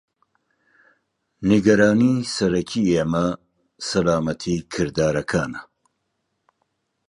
نیگەرانی سەرەکی ئێمە سەلامەتی کردارەکانە.